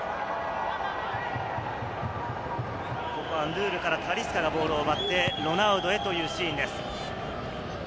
ここはンドゥールからタリスカがボールを奪ってロナウドへというシーンです。